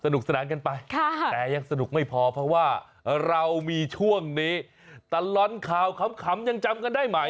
สนานกันไปแต่ยังสนุกไม่พอเพราะว่าเรามีช่วงนี้ตลอดข่าวขำยังจำกันได้ไหม